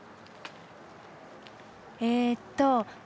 えっと